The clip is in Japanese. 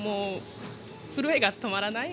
震えが止まらない。